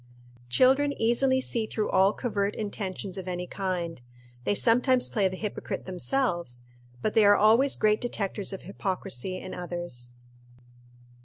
Children easily see through all covert intentions of any kind. They sometimes play the hypocrite themselves, but they are always great detectors of hypocrisy in others.